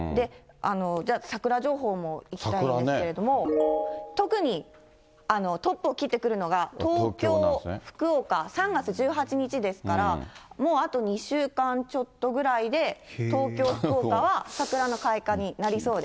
じゃあ、桜情報もいきたいんですけれども、特にトップを切ってくるのが東京、福岡、３月１８日ですから、もう、あと２週間ちょっとぐらいで、東京、福岡は、桜の開花になりそうです。